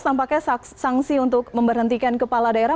tampaknya sanksi untuk memberhentikan kepala daerah